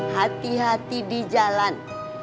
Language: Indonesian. hati hati di jalan